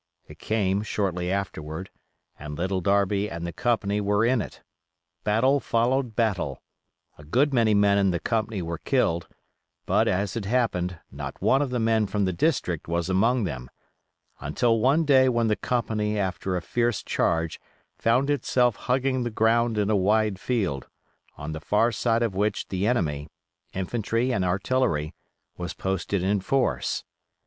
It came shortly afterward, and Little Darby and the company were in it. Battle followed battle. A good many men in the company were killed, but, as it happened, not one of the men from the district was among them, until one day when the company after a fierce charge found itself hugging the ground in a wide field, on the far side of which the enemy—infantry and artillery—was posted in force.